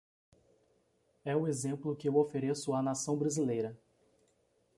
É o exemplo que eu ofereço à Nação brasileira.